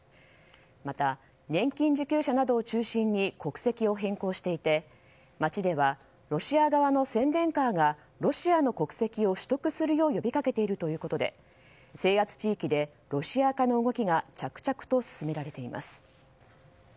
また、年金受給者などを中心に国籍を変更していて街ではロシア側の宣伝カーがロシアの国籍を取得するよう呼びかけているということで制圧地域でロシア化の動きが着々と進められています。